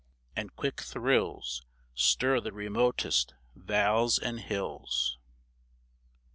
And quick thrills Stir the remotest vales and hills. XVIII.